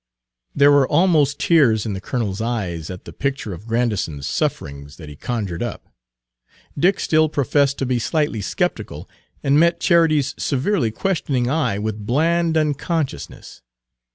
There were almost tears in the colonel's eyes at the picture of Grandison's sufferings Page 200 that he conjured up. Dick still professed to be slightly skeptical, and met Charity's severely questioning eye with bland unconsciousness.